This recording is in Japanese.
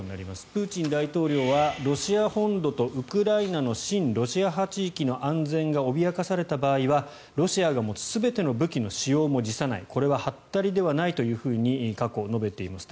プーチン大統領は、ロシア本土とウクライナの親ロシア派地域の安全が脅かされた場合はロシアが持つ全ての武器の使用も辞さないこれははったりではないと過去、述べています。